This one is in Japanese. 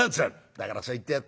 「だからそう言ってやったね。